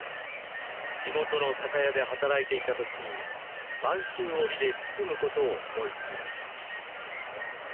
地元の酒屋で働いていた時に播州織で包むことを思いつきました。